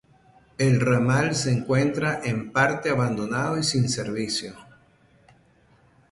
El ramal se encuentra en parte abandonado y sin servicio.